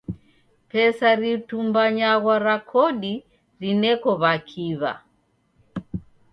Pesa ritumbanywagha ra kodi rineko w'akiw'a.